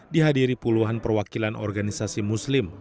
dihadiri puluhan perwakilan organisasi muslim